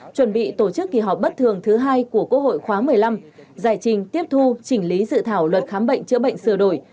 chuẩn bị tổ chức kỳ họp bất thường thứ hai của quốc hội khóa một mươi năm giải trình tiếp thu chỉnh lý dự thảo luật khám bệnh chữa bệnh sửa đổi